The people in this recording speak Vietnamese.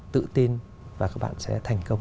tự tin và các bạn sẽ thành công